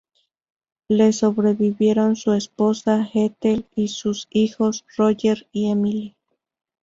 Le sobrevivieron su esposa, Ethel, y sus hijos Roger y Emily.